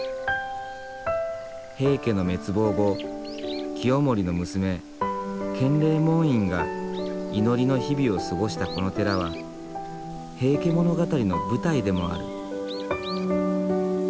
平家の滅亡後清盛の娘建礼門院が祈りの日々を過ごしたこの寺は「平家物語」の舞台でもある。